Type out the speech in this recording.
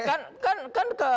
kan kan kan ke